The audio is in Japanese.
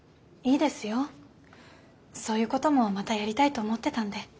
そういうこともまたやりたいと思ってたんで。